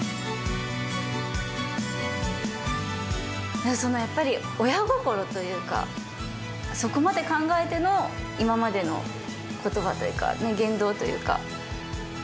なんか今日そのやっぱり親心というかそこまで考えての今までの言葉というか言動というか。